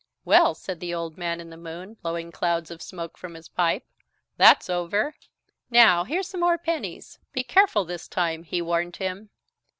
"Well!" said the Old Man in the Moon, blowing clouds of smoke from his pipe, "that's over. Now here's some more pennies. Be careful this time," he warned him.